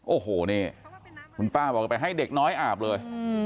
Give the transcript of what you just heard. โอ้โหนี่คุณป้าบอกไปให้เด็กน้อยอาบเลย